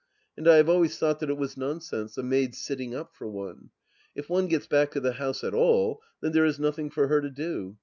And I have always thought that it was nonsense, a maid's sitting up for one. If one gets back to the house at all, then there is nothing for her to do.